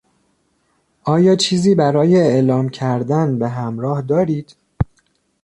آیا چیزی برای اعلام کردن به همراه دارید؟